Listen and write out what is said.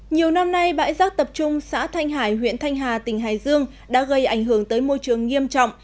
nhiều năm nay bãi rác tập trung xã thanh hải huyện thanh hà tỉnh hải dương đã gây ảnh hưởng tới môi trường nghiêm trọng